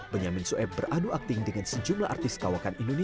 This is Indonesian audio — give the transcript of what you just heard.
benyamin sueb beradu akting dengan sejumlah artis kawakan indonesia